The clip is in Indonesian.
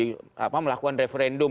yang udah melakukan referendum